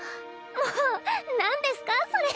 もうなんですかそれ。